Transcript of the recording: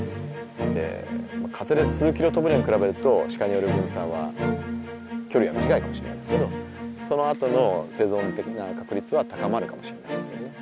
風で数キロ飛ぶのに比べるとシカによる分散は距離は短いかもしれないですけどそのあとの生存的な確率は高まるかもしれないですよね。